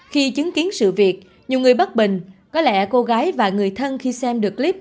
khi chứng kiến sự việc nhiều người bất bình có lẽ cô gái và người thân khi xem được clip